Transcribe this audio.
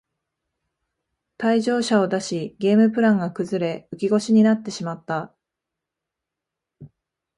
退場者を出しゲームプランが崩れ浮き腰になってしまった